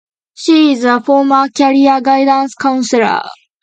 She is a former Career Guidance Counsellor.